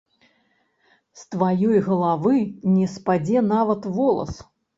З тваёй галавы не спадзе нават волас.